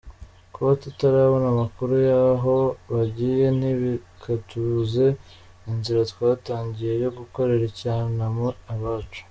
Kuba tutarabona amakuru y’aho bagiye ntibikatubuze inzira twatangiye yo gukorera icyunamo abacu.